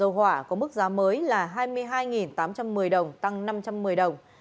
dầu hỏa có mức giá mới là hai mươi hai tám trăm một mươi đồng tăng năm trăm một mươi đồng